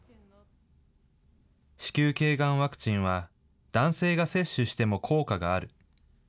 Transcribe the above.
子宮けいがんワクチンは、男性が接種しても効果がある。